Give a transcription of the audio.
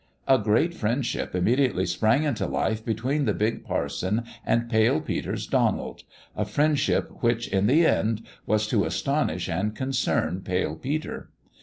A great friendship immediately sprang into life between the big parson and Pale Peter's Don ald a friendship which, in the end, was to aston ish and concern Pale Peter.